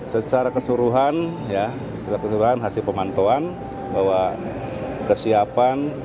secara keseluruhan hasil pemantuan bahwa kesiapan